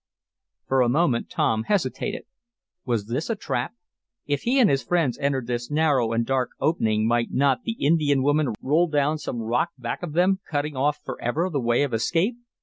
For a moment Tom hesitated. Was this a trap? If he and his friends entered this narrow and dark opening might not the Indian woman roll down some rock back of them, cutting off forever the way of escape?